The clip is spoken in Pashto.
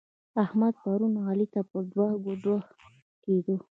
احمد؛ پرون علي ته په دوه دوه کېدو.